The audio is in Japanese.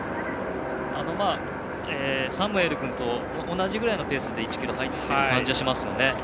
サムエル君と同じくらいのペースで１ｋｍに入っている感じはしますね。